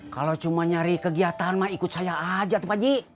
kalau cuma nyari kegiatan mah ikut saya aja tuh pagi